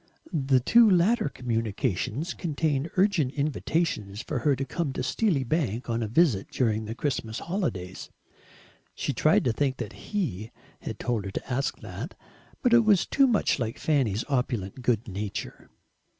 The two latter communications contained urgent invitations for her to come to Steely Bank on a Visit during the Christmas holidays. She tried to think that HE had told her to ask that, but it was too much like Fanny's opulent good nature.